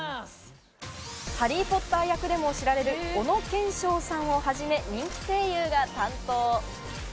ハリー・ポッター役でも知られる、小野賢章さんをはじめ、人気声優が担当。